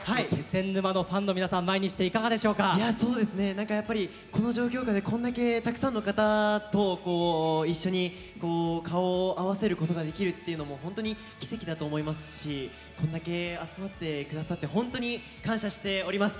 何かやっぱりこの状況下でこんだけたくさんの方と一緒に顔を合わせることができるっていうのも本当に奇跡だと思いますしこんだけ集まってくださって本当に感謝しております。